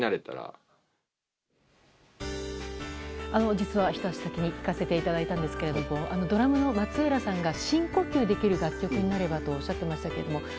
実は、ひと足先に聴かせていただいたんですがドラムの松浦さんが深呼吸できる楽曲になればとおっしゃっていました。